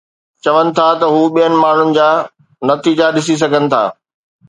چون ٿا ته هو ٻين ماڻهن جا نتيجا ڏسي سگهن ٿا